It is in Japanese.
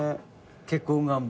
結婚願望。